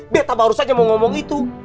beta baru saja mau ngomong itu